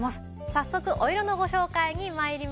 早速お色のご紹介に参りましょう。